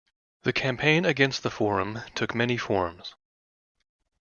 The campaign against the forum took many forms.